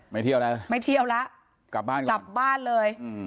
เที่ยวแล้วไม่เที่ยวแล้วกลับบ้านก่อนกลับบ้านเลยอืม